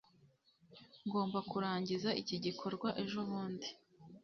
ngomba kurangiza iki gikorwa ejobundi